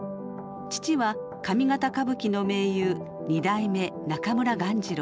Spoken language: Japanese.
父は上方歌舞伎の名優二代目中村鴈治郎。